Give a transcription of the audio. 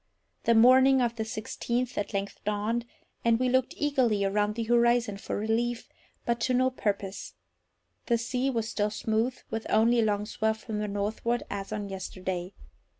The morning of the sixteenth at length dawned, and we looked eagerly around the horizon for relief, but to no purpose. The sea was still smooth, with only a long swell from the northward, as on yesterday.